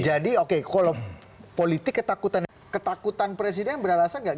jadi oke kalau politik ketakutan presiden beralasan nggak